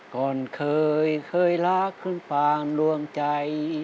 ก่อนเคยเคยรักคุณปางดวงใจ